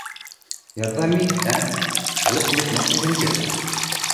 Ярҙам ит, ә? Халыҡ онотмаҫ үҙеңде